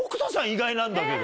意外なんだけど。